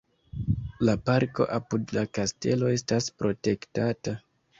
La parko apud la kastelo estas protektata.